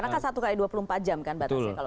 karena kan satu x dua puluh empat jam kan batasnya